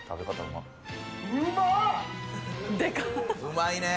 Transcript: うまいね。